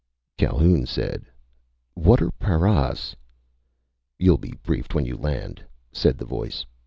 _" Calhoun said: "What are paras?" "You'll be briefed when you land," said the voice.